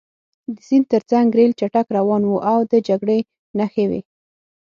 د سیند ترڅنګ ریل چټک روان و او د جګړې نښې وې